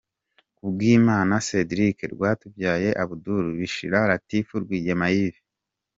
Kubwimana Cédric, Rwatubyaye Abdoul, Bishira Latif, Rwigema Yves.